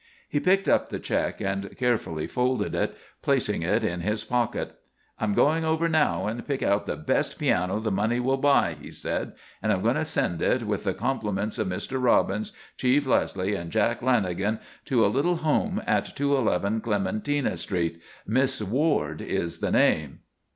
He picked up the check and carefully folded it, placing it in his pocket. "I'm going over now and pick out the best piano the money will buy," he said, "and I'm going to send it, with the compliments of Mr. Robbins, Chief Leslie and Jack Lanagan to a little home at 211 Clementina Street, Miss Ward is the name."